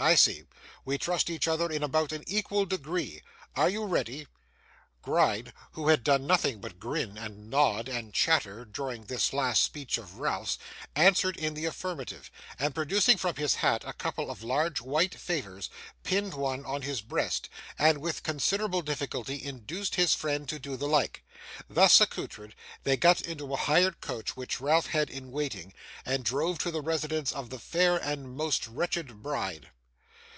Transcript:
I see. We trust each other in about an equal degree. Are you ready?' Gride, who had done nothing but grin, and nod, and chatter, during this last speech of Ralph's, answered in the affirmative; and, producing from his hat a couple of large white favours, pinned one on his breast, and with considerable difficulty induced his friend to do the like. Thus accoutred, they got into a hired coach which Ralph had in waiting, and drove to the residence of the fair and most wretched bride.